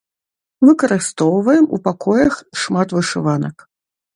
Выкарыстоўваем у пакоях шмат вышыванак.